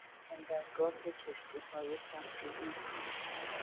بندرگاه کشتیهای تفریحی